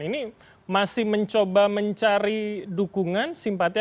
ini masih mencoba mencari dukungan simpati